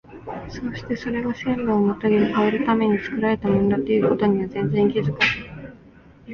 そうしてそれが線路をまたぎ越えるために造られたものだという事には全然気づかず、